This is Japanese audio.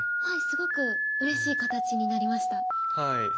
はいすごくうれしい形になりました。